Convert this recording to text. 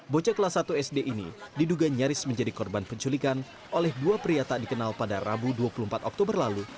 bocah kelas satu sd ini diduga nyaris menjadi korban penculikan oleh dua pria tak dikenal pada rabu dua puluh empat oktober lalu